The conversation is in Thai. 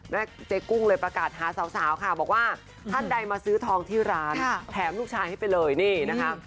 เจ๊กุ้งเลยประกาศหาสาวค่ะบอกว่าท่านใดมาซื้อทองที่ร้านแถมลูกชายให้ไปเลยนี่นะคะ